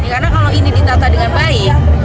karena kalau ini ditata dengan baik